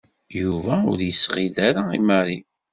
Yuba ur yesɣid ara i Mary.